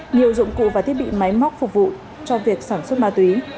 nhiều dụng cụ và thiết bị máy móc phục vụ cho việc sản xuất ma túy